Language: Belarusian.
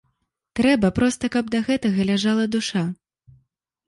Трэба, проста каб да гэтага ляжала душа.